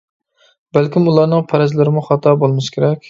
بەلكىم ئۇلارنىڭ پەرەزلىرىمۇ خاتا بولمىسا كېرەك.